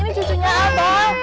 ini cucunya apa